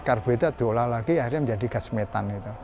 karbohidrat diolah lagi akhirnya menjadi gas metan gitu